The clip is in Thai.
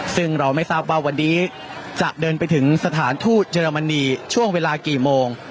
ซึ่งเราไม่ทราบว่าวันนี้จะเดินไปถึงสถานทูตเยอรมนีช่วงเวลากี่โมง